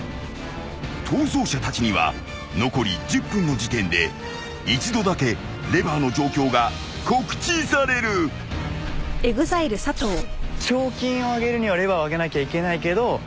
［逃走者たちには残り１０分の時点で一度だけレバーの状況が告知される］えっ？